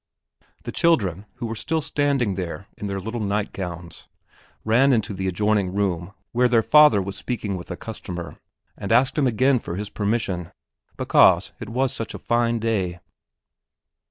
The children, who were still standing there in their little nightgowns, ran into the adjoining room where their father was speaking with a customer and asked him again for his permission, because it was such a fine day.